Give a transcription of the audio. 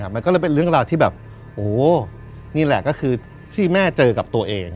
มันก็เลยเป็นเรื่องราวที่แบบโอ้นี่แหละก็คือที่แม่เจอกับตัวเอง